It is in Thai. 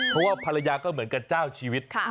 เพราะว่าภรรยาก็เหมือนกับเจ้าชีวิต